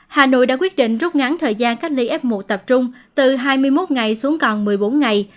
hà nội đã quyết định rút ngắn thời gian cách ly f một tập trung từ hai mươi một ngày xuống còn một mươi bốn ngày